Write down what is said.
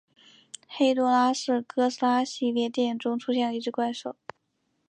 黑多拉是哥斯拉系列电影中出现的一只怪兽。